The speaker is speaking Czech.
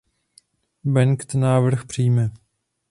Bengt návrh přijme.